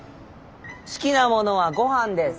好きなものはごはんです。